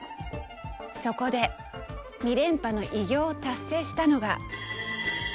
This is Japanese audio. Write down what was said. そこで２連覇の偉業を達成したのが。